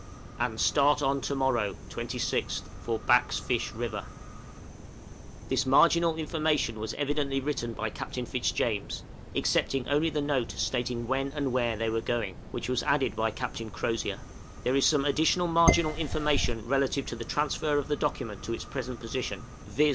"and start (on) to morrow, 26th, for Back's Fish River." {ACCOUNT OF THE EXPEDITION.} This marginal information was evidently written by Captain Fitzjames, excepting only the note stating when and where they were going, which was added by Captain Crozier. There is some additional marginal information relative to the transfer of the document to its present position (viz.